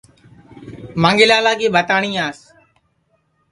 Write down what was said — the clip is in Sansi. مانگھی لالا کی بھتاٹؔیاس